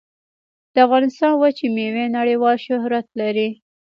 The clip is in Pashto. د افغانستان وچې میوې نړیوال شهرت لري